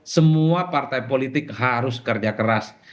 semua partai politik harus kerja keras